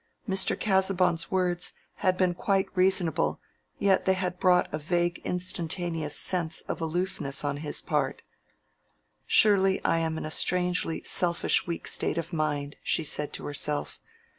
Mr. Casaubon's words had been quite reasonable, yet they had brought a vague instantaneous sense of aloofness on his part. "Surely I am in a strangely selfish weak state of mind," she said to herself.